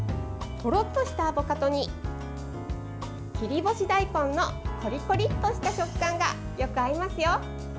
とろっとしたアボカドに切り干し大根のコリコリとした食感がよく合いますよ。